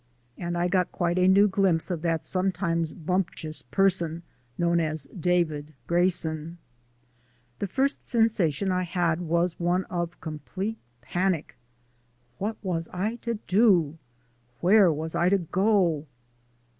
And I got quite a new glimpse of that sometimes bumptious person known as David Grayson. The first sensation I had was one of complete panic. What was I to do? Where was I to go?